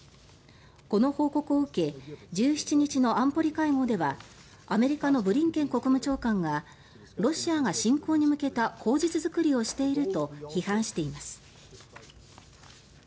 この報告を受け１７日の安保理会合ではアメリカのブリンケン国務長官がロシアが侵攻に向けた口実作りをしていると批判しています。